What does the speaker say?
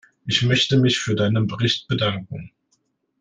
Ich möchte mich für deinen Bericht bedanken.